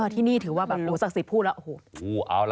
ที่นี่ถือว่าสัก๑๐ผู้แล้ว